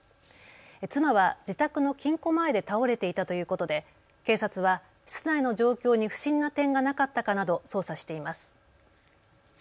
妻は自宅の金庫前で倒れていたということで警察は室内の状況に不審な点がなかったかなど捜査しています。